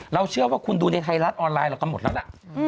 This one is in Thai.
เราเชื่อว่าคุณดูในไทยรัฐออนไลน์เรากำหนดแล้วล่ะ